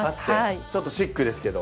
ちょっとシックですけど。